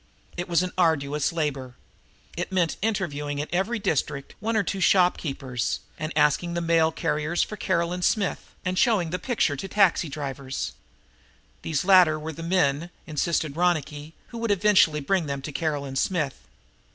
It was an arduous labor. It meant interviewing in every district one or two storekeepers, and asking the mail carriers for "Caroline Smith," and showing the picture to taxi drivers. These latter were the men, insisted Ronicky, who would eventually bring them to Caroline Smith.